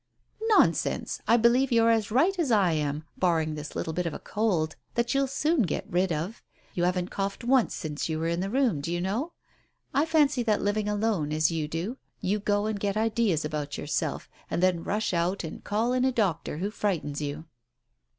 "Nonsense! I believe you're as right as I am, barring this little bit of a cold, that you'll soon get rid of. You haven't coughed once since you were in the room, do you know ? I fancy that living alone as you do, you go and get ideas about yourself, and then rush out and call in a doctor who frightens you."